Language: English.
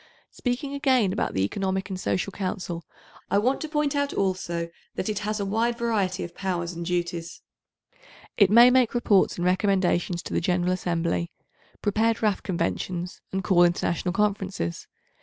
Speaking again about the Economic and Social Council, I want to point out also that it has a wide variety of powers and duties. It may make reports and recommendations to the General Assembly, prepare draft conventions and call international conferences.